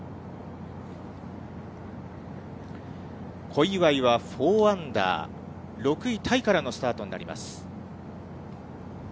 小祝は４アンダー、６位タイからのスタートになります。